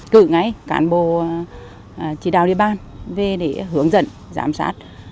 cử ngay cán bộ chỉ đào địa bàn về để hướng dẫn giám sát